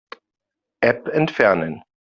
App entfernen.